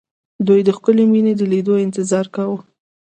دوی د ښکلې مينې د ليدو انتظار کاوه